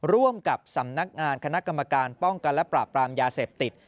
ร่วมกับสำนักงานคณะกรรมการป้องกันและปราบปรามยาเสพติด